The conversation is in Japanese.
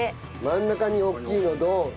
真ん中におっきいのドン！